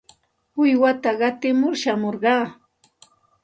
Uywata qatimur shamurqaa.